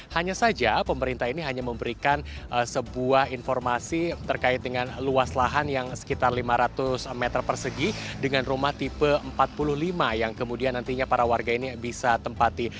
hanya saja pemerintah ini hanya memberikan sebuah informasi terkait dengan luas lahan yang sekitar lima ratus meter persegi dengan rumah tipe empat puluh lima yang kemudian nantinya para warga ini bisa tempati